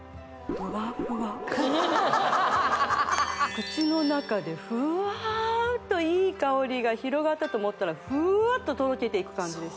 口の中でふわっといい香りが広がったと思ったらふわっととろけていく感じです・